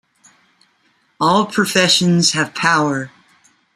All professions have power.